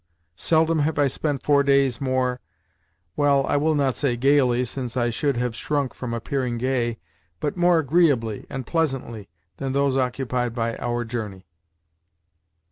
Seldom have I spent four days more—well, I will not say gaily, since I should still have shrunk from appearing gay—but more agreeably and pleasantly than those occupied by our journey.